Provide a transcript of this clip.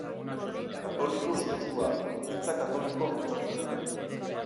Katoliko sutsua, Ekintza Katolikoa bultzatu zuen.